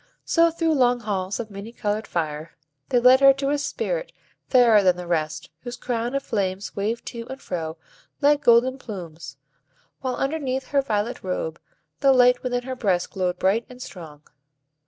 So, through long halls of many colored fire, they led her to a Spirit fairer than the rest, whose crown of flames waved to and fro like golden plumes, while, underneath her violet robe, the light within her breast glowed bright and strong.